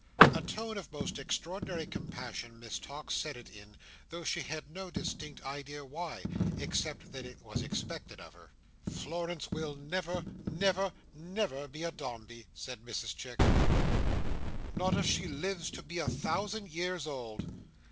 A tone of most extraordinary compassion Miss Tox said it in, though she had no distinct idea why, except that it was expected of her. "Florence will never, never, never be a Dombey," said Mrs Chick, "not if she lives to be a thousand years old."